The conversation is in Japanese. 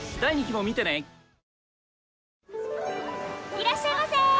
いらっしゃいませ。